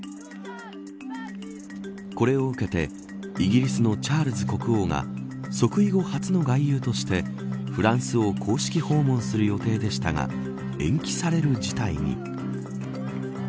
これを受けてイギリスのチャールズ国王が即位後、初の外遊としてフランスを公式訪問する予定でしたが延期される事態に。